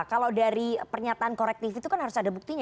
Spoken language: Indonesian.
kalau dari pernyataan korektif itu kan harus ada buktinya